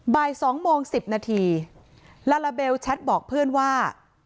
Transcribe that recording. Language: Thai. บ่าย๒โมง๑๐นาทีลาลาเบลแชทบอกเพื่อนว่า